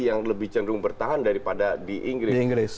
yang lebih cenderung bertahan daripada di inggris